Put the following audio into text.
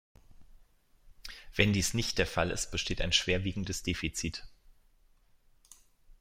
Wenn dies nicht der Fall ist, besteht ein schwerwiegendes Defizit.